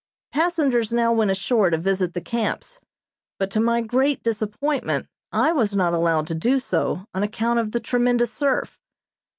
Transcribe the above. [Illustration: ESKIMOS.] Passengers now went ashore to visit the camps, but to my great disappointment I was not allowed to do so on account of the tremendous surf.